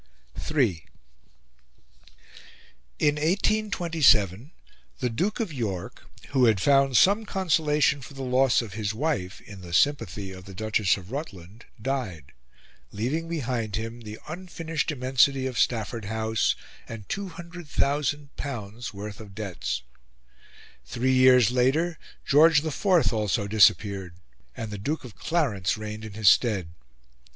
III In 1827 the Duke of York, who had found some consolation for the loss of his wife in the sympathy of the Duchess of Rutland, died, leaving behind him the unfinished immensity of Stafford House and L200,000 worth of debts. Three years later George IV also disappeared, and the Duke of Clarence reigned in his stead.